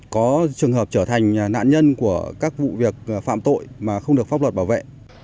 có trường hợp trở thành nạn nhân của các vụ việc phạm tội mà không được pháp luật bảo vệ